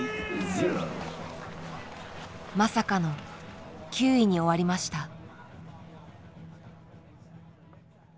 まさかの９位に終わりました。